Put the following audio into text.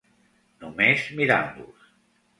Només mirant-los.